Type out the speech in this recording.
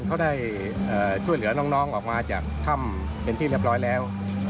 เขาได้ช่วยเหลือน้องออกมาจากถ้ำเป็นที่เรียบร้อยแล้ว